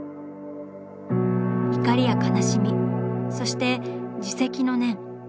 怒りや悲しみそして自責の念。